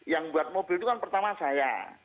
yang buat mobil itu kan pertama saya